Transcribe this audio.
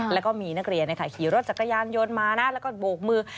แล้วก็มีนักเรียนขี่รถจักรยานยนต์มานะแล้วก็โบกมือ